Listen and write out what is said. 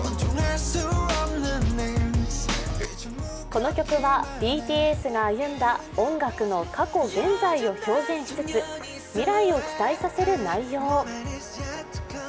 この曲はＢＴＳが歩んだ音楽の過去、現在を表現しつつ、未来を期待させる内容。